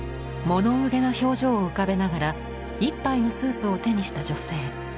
物憂げな表情を浮かべながら一杯のスープを手にした女性。